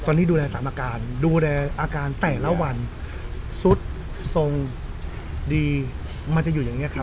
ตอนนี้ดูแลสามอาการดูแลอาการแต่ละวันสุดทรงดีมันจะอยู่อย่างนี้ครับ